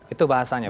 itu bahasanya bang